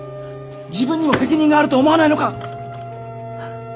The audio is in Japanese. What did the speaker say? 自分にも責任があると思わないのか。